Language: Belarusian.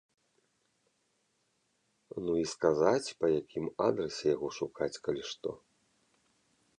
Ну, і сказаць, па якім адрасе яго шукаць, калі што.